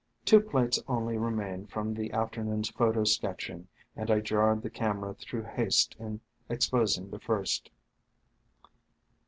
Two plates only remained from the afternoon's photo sketching, and I jarred the camera through haste in exposing the first.